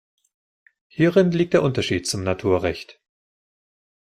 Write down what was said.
Hierin liegt der Unterschied zum Naturrecht.